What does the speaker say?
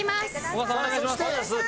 こがさんお願いします。